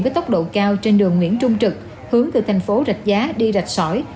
với tốc độ cao trên đường nguyễn trung trực hướng từ thành phố rạch giá đi rạch sỏi